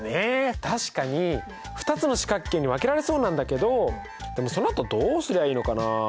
確かに２つの四角形に分けられそうなんだけどでもそのあとどうすりゃいいのかな？